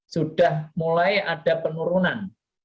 sudah mulai ada penurunan